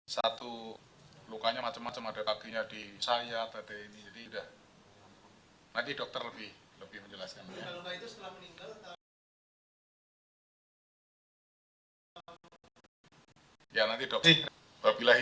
satu lukanya macam macam ada kakinya di sayap jadi sudah